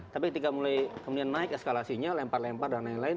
tapi ketika mulai kemudian naik eskalasinya lempar lempar dan lain lain